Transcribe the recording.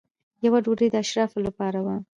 یوه ډوډۍ د اشرافو لپاره وه.